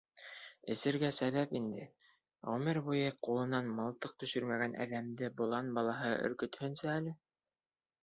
— Эсергә сәбәп инде, ғүмер буйы ҡулынан мылтыҡ төшөрмәгән әҙәмде болан балаһы өркөтһөнсө әле.